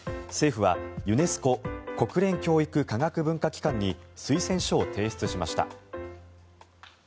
政府はユネスコ・国連教育科学文化機関に推薦書を提出しました。